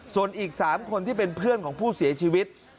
ส่วนอีก๓คนที่เป็นเพื่อนของผู้เสียชีวิต